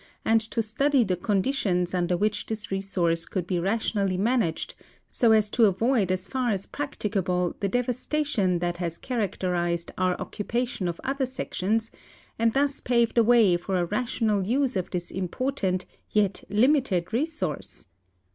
I8ii7 203 204 THE FORESTS AND DESERTS OF ARIZONA to stud}'^ the conditions under which this resource could be ra tionally managed, so as to avoid as far as practicable the devas tation that has characterized our occupation of other sections, and thus pave the way for a rational use of this important, yet limited, resource?